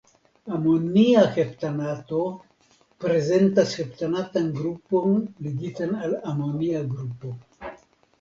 Amonia heptanato prezentas heptanatan grupon ligitan al amonia grupo.